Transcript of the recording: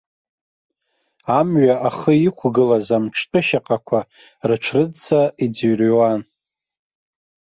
Амҩа ахы иқәгылаз амҿтәы шьаҟақәа рыҽрыдҵа иӡырҩуан.